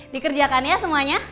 dikerjakan ya semuanya